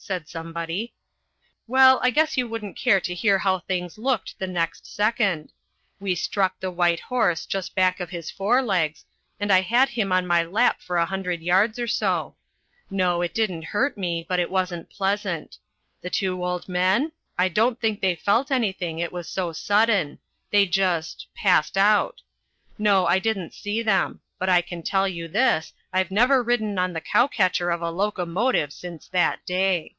said somebody. "Well I guess you wouldn't care to hear how things looked the next second. We struck the white horse just back of his forelegs, and I had him on my lap for a hundred yards or so. No, it didn't hurt me, but it wasn't pleasant. The two old men? I don't think they felt anything, it was so sudden; they just passed out. No, I didn't see them; but I can tell you this, I've never ridden on the cow catcher of a locomotive since that day."